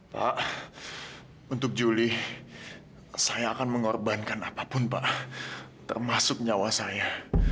pak untuk juli saya akan mengorbankan apapun pak termasuk nyawa saya